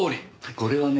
これはね